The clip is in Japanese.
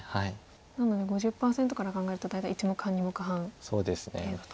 なので５０％から考えると大体１目半２目半程度と。